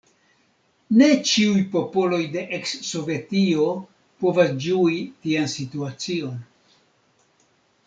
Ne ĉiuj popoloj de eks-Sovetio povas ĝui tian situacion.